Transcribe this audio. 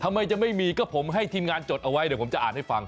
ทำไมจะไม่มีก็ผมให้ทีมงานจดเอาไว้เดี๋ยวผมจะอ่านให้ฟัง